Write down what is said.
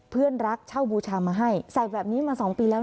เพื่อนรักเช่าบูชามาให้ใส่แบบนี้มา๒ปีแล้ว